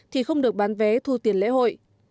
thì không được bán vé thu tiền lễ hội